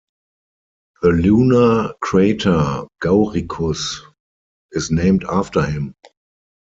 The lunar crater Gauricus is named after him.